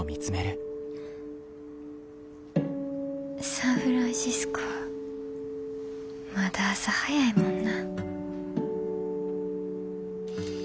サンフランシスコはまだ朝早いもんな。